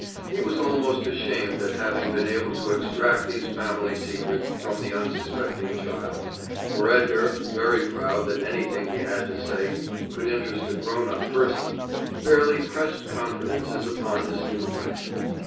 He was almost ashamed at having been able to extract these family secrets from the unsuspecting child, for Edgar, very proud that anything he had to say could interest a grown up person, fairly pressed confidences upon his new friend.